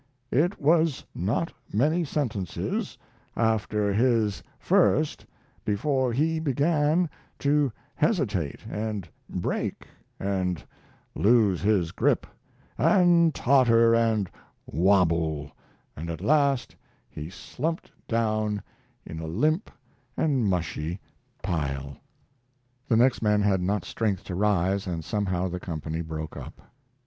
It was not many sentences after his first before he began to hesitate and break, and lose his grip, and totter and wobble, and at last he slumped down in a limp and mushy pile. The next man had not strength to rise, and somehow the company broke up.